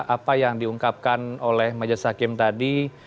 apa yang diungkapkan oleh majelis hakim tadi